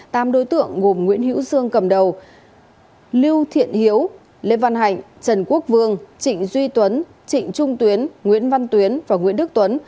tám đối tượng gồm nguyễn hữu dương cầm đầu lưu thiện hiếu lê văn hạnh trần quốc vương trịnh duy tuấn trịnh trung tuyến nguyễn văn tuyến và nguyễn đức tuấn